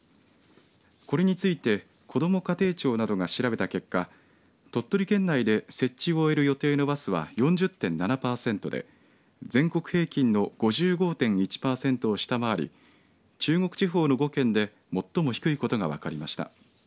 これについてこども家庭庁などが調べた結果鳥取県内で設置を終える予定のバスは４０．７パーセントで全国平均の５５．１パーセントを下回り中国地方の５県で最も低いことが分かりました。